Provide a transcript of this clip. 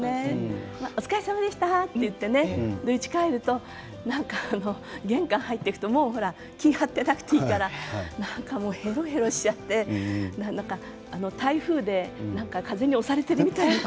お疲れさまでしたと言ってうちに帰ると玄関に入っていくともう気を張っていなくていいからへろへろしちゃって台風で風に押されてるみたいな。